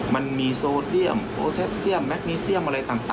มันมีโซเดียมโอเทสเซียม